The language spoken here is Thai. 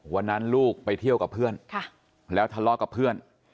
ลูกไปเที่ยวกับเพื่อนแล้วทะเลาะกับเพื่อน